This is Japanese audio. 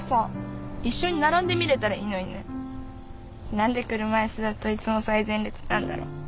何で車椅子だといつも最前列なんだろう。